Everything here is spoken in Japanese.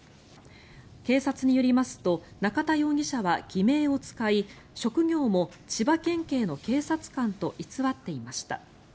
警察によりますと中田容疑者は偽名を使い職業も千葉県警の警察官と偽っていました。